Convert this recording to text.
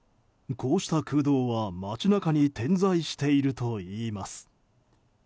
こうした空洞は街中に点在しているといいます。